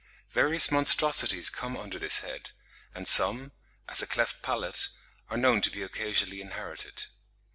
Various monstrosities come under this head; and some, as a cleft palate, are known to be occasionally inherited.